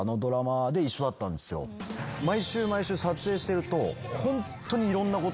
毎週毎週撮影してると。